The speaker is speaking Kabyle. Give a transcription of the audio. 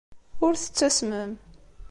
Ur tettasmem.